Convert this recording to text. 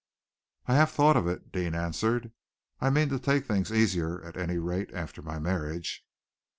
"I have thought of it," Deane answered. "I mean to take things easier, at any rate, after my marriage."